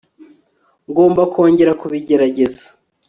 ngomba kongera kubigerageza